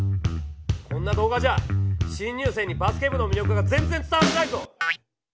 こんな動画じゃあ新入生にバスケ部の魅力が全然伝わらないぞ！